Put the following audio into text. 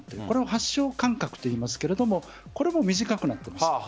これを発症間隔といいますがこれも短くなっています。